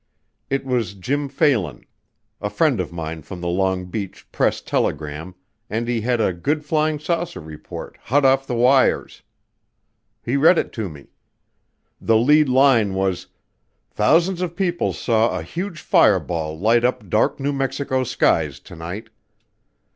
It was Jim Phalen, a friend of mine from the Long Beach Press Telegram, and he had a "good flying saucer report," hot off the wires. He read it to me. The lead line was: "Thousands of people saw a huge fireball light up dark New Mexico skies tonight."